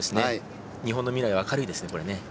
日本の未来は明るいですね。